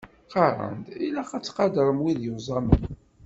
Qqaren-d ilaq ad tqadrem wid yuẓamen.